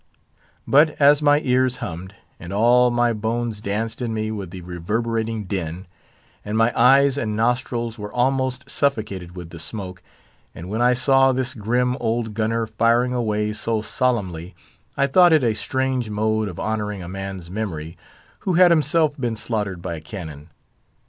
But as my ears hummed, and all my bones danced in me with the reverberating din, and my eyes and nostrils were almost suffocated with the smoke, and when I saw this grim old gunner firing away so solemnly, I thought it a strange mode of honouring a man's memory who had himself been slaughtered by a cannon.